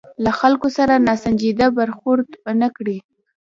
له خلکو سره ناسنجیده برخورد ونه کړي.